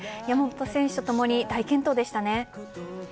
山本選手と共に大健闘でした。